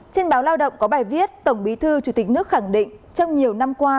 trên báo lao động có bài viết tổng bí thư chủ tịch nước khẳng định trong nhiều năm qua